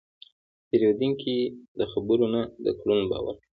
پیرودونکی د خبرو نه، د کړنو باور کوي.